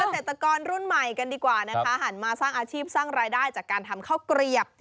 เกษตรกรรุ่นใหม่กันดีกว่านะคะหันมาสร้างอาชีพสร้างรายได้จากการทำข้าวเกลียบ